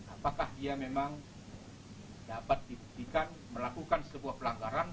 apakah dia memang dapat dibuktikan melakukan sebuah pelanggaran